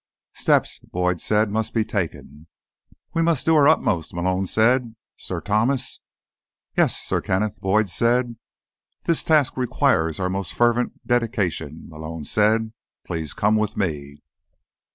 "Steps," Boyd said, "must be taken." "We must do our utmost," Malone said. "Sir Thomas—" "Yes, Sir Kenneth?" Boyd said. "This task requires our most fervent dedication," Malone said. "Please come with me."